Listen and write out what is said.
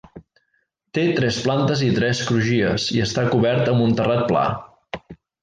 Té tres plantes i tres crugies i està cobert amb un terrat pla.